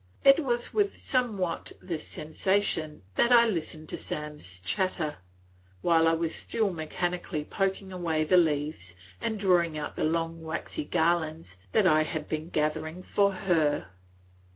It was with somewhat this sensation that I listened to Sam's chatter, while I still mechanically poked away the leaves and drew out the long waxy garlands that I had been gathering for her!